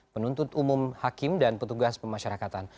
penuntut umum hakim dan petugas pemasyarakatan